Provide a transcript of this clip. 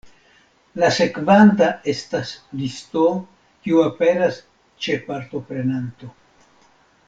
La sekvanta estas listo, kiu aperas ĉe partoprenanto.